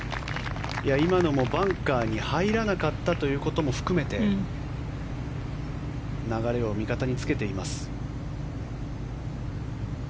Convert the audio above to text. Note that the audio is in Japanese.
今のもバンカーに入らなかったということも含めて流れを味方につけています。